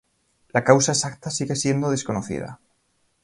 La causa exacta sigue siendo desconocida.